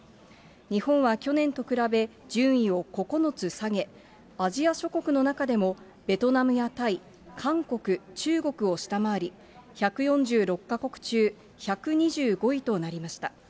日本は去年と比べ順位を９つ下げ、アジア諸国の中でもベトナムやタイ、韓国、中国を下回り、１４６か国中１２５位となりました。